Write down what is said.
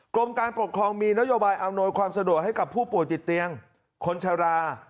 กรมการปกครองมีนโยบายอำนวยความสะดวกให้กับผู้ป่วยติดเตียงคนชะลา